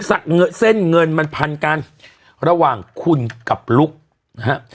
เส้นเงินมันพันกันระหว่างคุณกับลุคนะฮะ